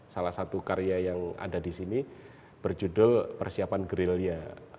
salah satu karya yang ada di sini berjudul persiapan gerilya